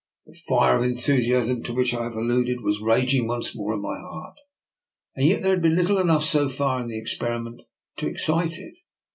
The fire of enthusiasm, to which I have before alluded, was raging once more in my heart, and yet there bad been little enough so far in the experiment to ex cite it.